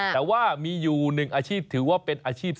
แต่ว่ามีอยู่หนึ่งอาชีพถือว่าเป็นอาชีพเสริม